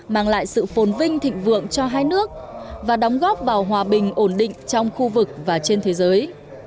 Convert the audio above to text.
mang lại sự phồn vinh thịnh vượng cho hai nước và đóng góp vào hòa bình ổn định trong khu vực và trên thế giới